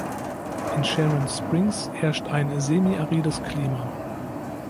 In Sharon Springs herrscht ein semiarides Klima.